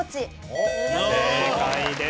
正解です。